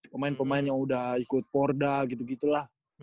pemain pemain yang udah ikut porda gitu gitu lah